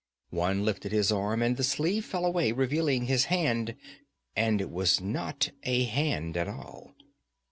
One lifted his arm and the sleeve fell away revealing his hand and it was not a hand at all.